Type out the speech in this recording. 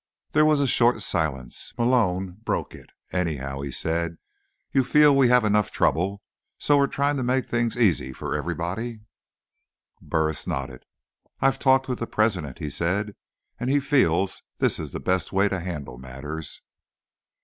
There was a short silence. Malone broke it. "Anyhow," he said, "you feel we have enough trouble, so we're trying to make things easy for everybody." Burris nodded. "I've talked with the president," he said, "and he feels this is the best way to handle matters."